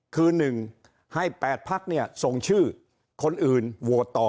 คือหนึ่งให้๘ภักษ์ส่งชื่อคนอื่นโหวตต่อ